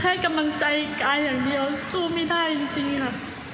ให้กำลังใจกายอย่างเดียวสู้ไม่ได้จริงค่ะ